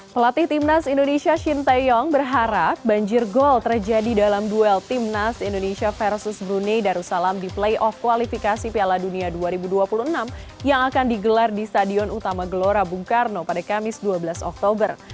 pelatih timnas indonesia shin taeyong berharap banjir gol terjadi dalam duel timnas indonesia versus brunei darussalam di playoff kualifikasi piala dunia dua ribu dua puluh enam yang akan digelar di stadion utama gelora bung karno pada kamis dua belas oktober